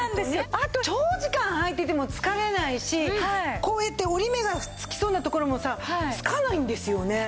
あと長時間はいてても疲れないしこうやって折り目がつきそうなところもさつかないんですよね。